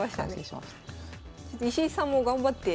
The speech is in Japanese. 石井さんも頑張って。